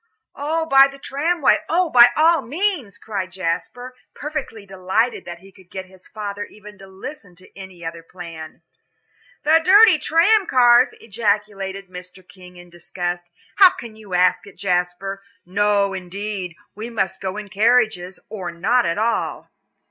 "Oh, by the tramway; oh, by all means," cried Jasper, perfectly delighted that he could get his father even to listen to any other plan. "The dirty tram cars," ejaculated Mr. King, in disgust. "How can you ask it, Jasper? No, indeed, we must go in carriages, or not at all."